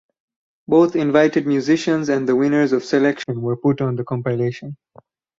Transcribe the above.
Both invited musicians and the winners of selection were put on the compilation.